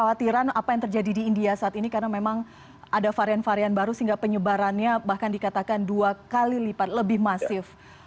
kekhawatiran apa yang terjadi di india saat ini karena memang ada varian varian baru sehingga penyebarannya bahkan dikatakan dua kali lipat lebih masif